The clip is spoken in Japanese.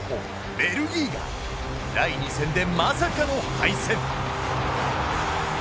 ベルギーが第２戦で、まさかの敗戦。